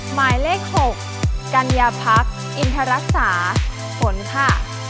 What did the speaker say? หมายเลข๖กัญญาพักษ์อินทรัสสาฝนค่ะ